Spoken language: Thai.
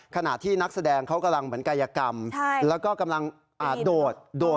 ขณะที่นักแสดงเขากำลังเหมือนกายกรรมแล้วก็กำลังโดดโดด